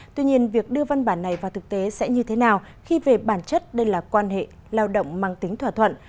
tuy nhiên việc đưa văn bản này vào thực tế sẽ như thế nào khi về bản chất đây là quan hệ lao động mang tính thỏa thuận